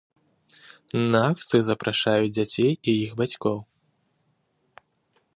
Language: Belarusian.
На акцыю запрашаюць дзяцей і іх бацькоў.